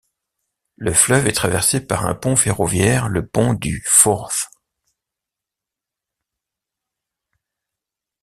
Le fleuve est traversé par un pont ferroviaire, le pont du Forth.